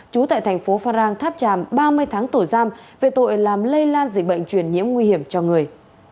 trú tại tp phan rang tháp tràm ba mươi tháng tổ giam về tội làm lây lan dịch bệnh chuyển nhiễm nguy hiểm cho người